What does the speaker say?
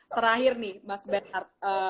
terakhir nih mas bernard